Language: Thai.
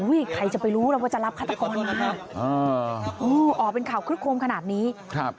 อุ้ยใครจะไปรู้เราว่าจะรับฆาตกรอ๋ออู๋ออกเป็นข่าวคลิปคมขนาดนี้ครับ